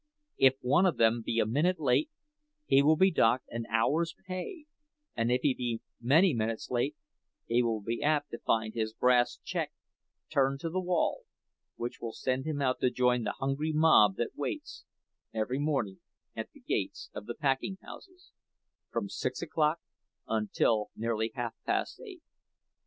If one of them be a minute late, he will be docked an hour's pay, and if he be many minutes late, he will be apt to find his brass check turned to the wall, which will send him out to join the hungry mob that waits every morning at the gates of the packing houses, from six o'clock until nearly half past eight.